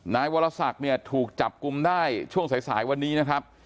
นายวรศักดิ์เนี่ยถูกจับกลุ่มได้ช่วงสายสายวันนี้นะครับ